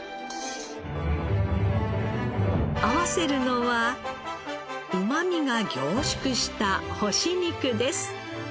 合わせるのはうまみが凝縮した干し肉です。